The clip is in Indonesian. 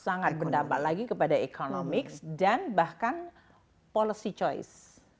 sangat berdampak lagi kepada ekonomi dan bahkan policy choice